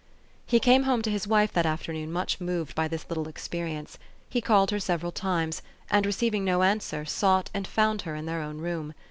He came home to his wife, that afternoon, much moved by this little experience. He called her sev eral times, and, receiving no answer, sought and found her in their own room.